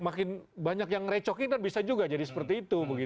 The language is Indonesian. makin banyak yang ngerecokin kan bisa juga jadi seperti itu